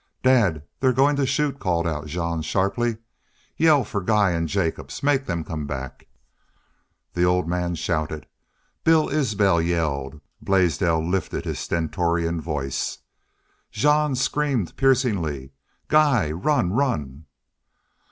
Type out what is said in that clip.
"Dad, they're goin' to shoot," called out Jean, sharply. "Yell for Guy and Jacobs. Make them come back." The old man shouted; Bill Isbel yelled; Blaisdell lifted his stentorian voice. Jean screamed piercingly: "Guy! Run! Run!"